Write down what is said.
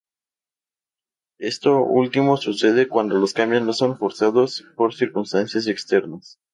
Esto último sucede cuando los cambios no son forzados por circunstancias externas.